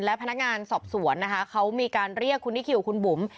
และพนักงานสอบสวนนะคะเขามีการเรียกคุณนิคิวคุณบุ๋ม